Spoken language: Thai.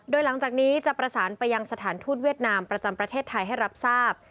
โดยหลังจากนี้จะประสานไปยังสถานทูตเวียดนามประจำประเทศไทยให้รับทราบ